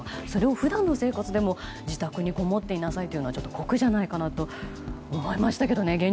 それを普段の生活でも自宅にこもっていなさいというのは酷じゃないかと思いましたけどね。